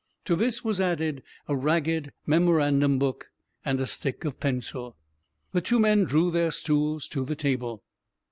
To this was added a ragged memorandum book and a stick of pencil. The two men drew their stools to the table.